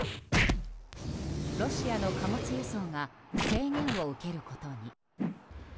ロシアの貨物輸送が制限を受けることに。